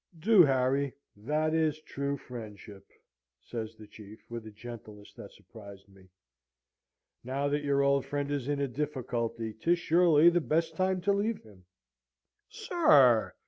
"'Do, Harry; that is true friendship!' says the Chief, with a gentleness that surprised me. 'Now that your old friend is in a difficulty, 'tis surely the best time to leave him.' "'Sir!'